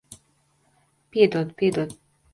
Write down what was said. Piedod. Piedod.